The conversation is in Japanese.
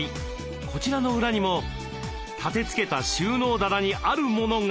こちらの裏にも立てつけた収納棚にあるモノが。